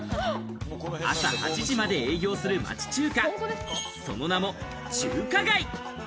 朝８時まで営業する町中華、その名も中華街。